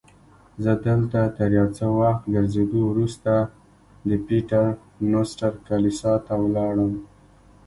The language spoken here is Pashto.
زه دلته تر یو څه وخت ګرځېدو وروسته د پیټر نوسټر کلیسا ته ولاړم.